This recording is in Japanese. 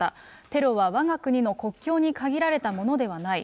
テロはわが国の国境に限られたものではない。